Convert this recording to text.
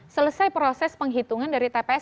selesai proses penghitungan dari tps